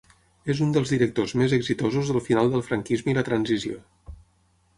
És un dels directors més exitosos del final del franquisme i la transició.